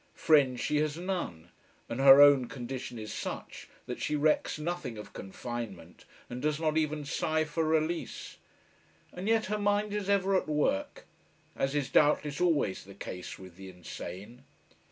Friends she has none; and her own condition is such, that she recks nothing of confinement and does not even sigh for release. And yet her mind is ever at work, as is doubtless always the case with the insane.